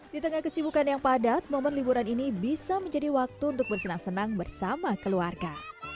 di tengah kesibukan yang padat momen liburan ini bisa menjadi waktu untuk bersenang senang bersama keluarga